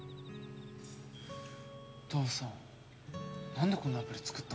父さんなんでこんなアプリ作ったんだろう？